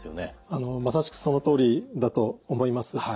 まさしくそのとおりだと思います。